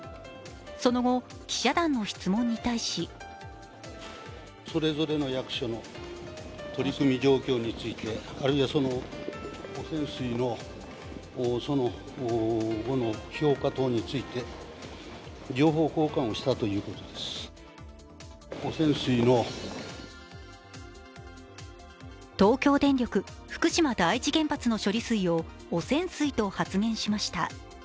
その後、記者団の質問に対し東京電力・福島第一原発の処理水を汚染水と発言しました。